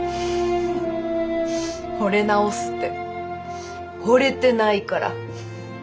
フフフほれ直すってほれてないから。